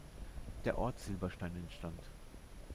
Der Ort Silberstein entstand.